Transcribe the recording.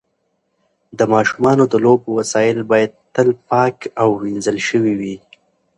د ماشومانو د لوبو وسایل باید تل پاک او وینځل شوي وي.